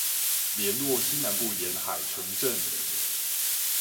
聯絡西南部沿海城鎮